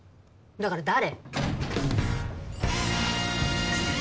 だから誰？